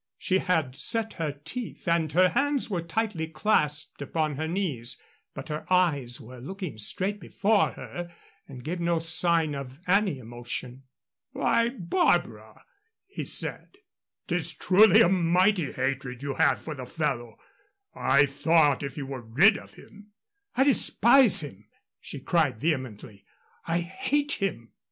She had set her teeth, and her hands were tightly clasped upon her knees, but her eyes were looking straight before her and gave no sign of any emotion. "Why, Barbara," he said, "'tis truly a mighty hatred you have for the fellow! I thought if you were rid of him " "I despise him!" she cried, vehemently. "I hate him!"